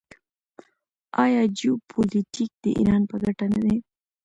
آیا جیوپولیټیک د ایران په ګټه نه دی؟